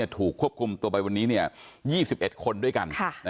ถูกควบคุมตัวไปวันนี้๒๑คนด้วยกัน